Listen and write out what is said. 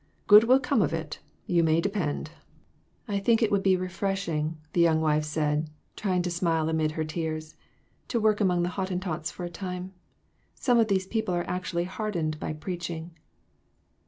Good will come of it, you may depend." THREE OF US. 397 "I think it would be refreshing," the young wife said, trying to smile amid her tears, "to work among Hottentots for a time. Some of these people are actually hardened by preaching."